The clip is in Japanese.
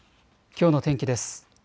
きょうの天気です。